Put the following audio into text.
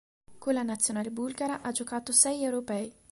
Con la Nazionale bulgara ha giocato sei Europei.